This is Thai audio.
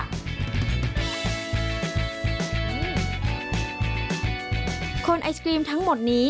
คนไอศกรีมทั้งหมดนี้